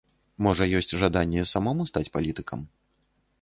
Можа ёсць жаданне самому стаць палітыкам?